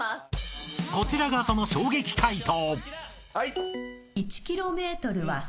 ［こちらがその衝撃解答］